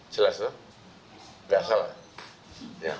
jelas tuh gak salah ya oke